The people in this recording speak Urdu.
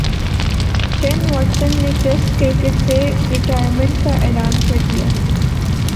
شین واٹسن نے ٹیسٹ کرکٹ سے ریٹائرمنٹ کا اعلان کر دیا